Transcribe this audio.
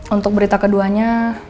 untuk berita keduanya